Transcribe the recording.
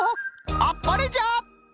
あっぱれじゃ！